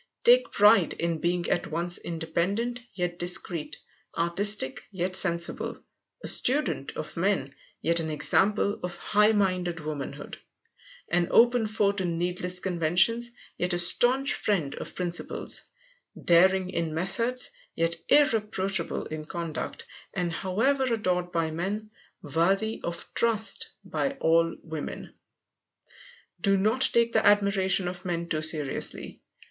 Take pride in being at once independent yet discreet; artistic, yet sensible; a student of men, yet an example of high minded womanhood; an open foe to needless conventions, yet a staunch friend of principles; daring in methods, yet irreproachable in conduct; and however adored by men, worthy of trust by all women. Do not take the admiration of men too seriously.